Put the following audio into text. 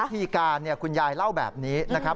วิธีการคุณแย่เล่าแบบนี้